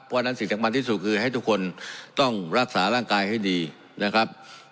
เพราะฉะนั้นสิ่งสำคัญที่สุดคือให้ทุกคนต้องรักษาร่างกายให้ดีนะครับ